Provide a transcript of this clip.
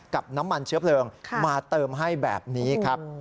กับน้ำมันเชื้อเพลิงมาเติมให้แบบนี้ครับ